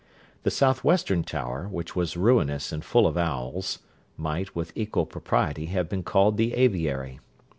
The south western tower, which was ruinous and full of owls, might, with equal propriety, have been called the aviary.